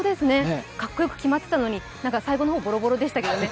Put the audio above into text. かっこよく決まってたのに最後の方ボロボロでしたけどね。